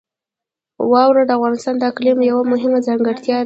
واوره د افغانستان د اقلیم یوه مهمه ځانګړتیا ده.